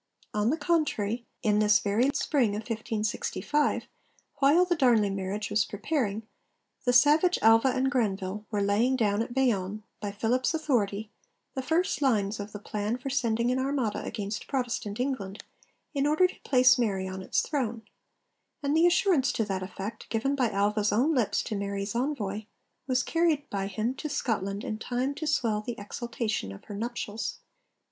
On the contrary, in this very spring of 1565, while the Darnley marriage was preparing, the savage Alva and Granvelle were laying down at Bayonne, by Philip's authority, the first lines of the plan for sending an Armada against Protestant England, in order to place Mary on its throne: and the assurance to that effect, given by Alva's own lips to Mary's envoy, was carried by him to Scotland in time to swell the exultation of her nuptials.